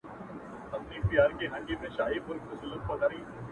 ستا شربتي سونډو ته!! بې حال پروت و!!